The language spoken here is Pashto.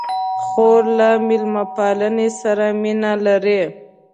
خور له میلمه پالنې سره مینه لري.